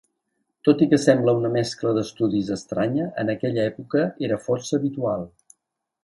Tot i que sembla una mescla d'estudis estranya, en aquella època era força habitual.